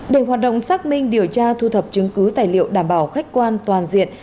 để hoạt động xác minh điều tra thu thập chứng cứ tài liệu đảm bảo khách quan toàn diện